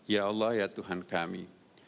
ya allah ya tuhan kami